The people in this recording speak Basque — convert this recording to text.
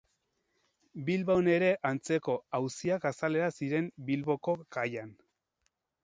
Bilbon ere antzeko auziak azalera ziren Bilboko kaian.